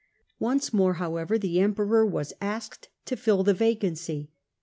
Once more, however, the emperor was asked to fill the vacancy.